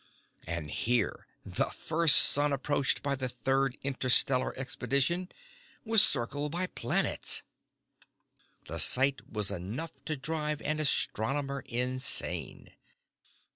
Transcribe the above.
And here the first sun approached by the Third Interstellar Expedition was circled by planets! The sight was enough to drive an astronomer insane.